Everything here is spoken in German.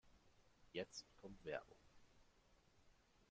Jetzt kommt Werbung.